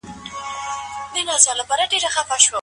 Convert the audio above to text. هغه د ټولنيزو حقايقو پلوي و.